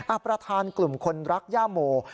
ประธานกลุ่มคนรักย่าโม